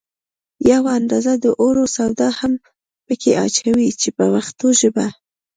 یوه اندازه د اوړو سوډا هم په کې اچوي په پښتو ژبه.